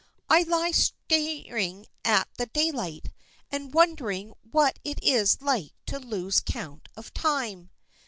I lie staring at the daylight, and wondering what it is like to lose count of time."